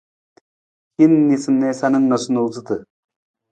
Hin niisaniisatu na noosunoosutu.